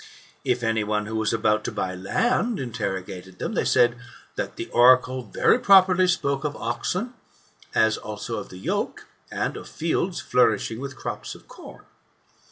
If any one who was about to buy land, interrogated them, they said. That the oracle very properly spoke of oxen, as also of the yoke, and of fields flourishing with crops of corn.